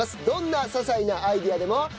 どんな些細なアイデアでも。